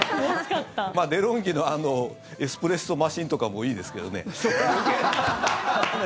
デロンギのエスプレッソマシンとかもいいですけどね。